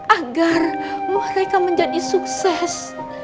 agar mereka menjadi sukses